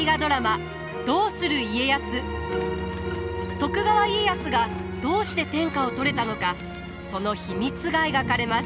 徳川家康がどうして天下を取れたのかその秘密が描かれます。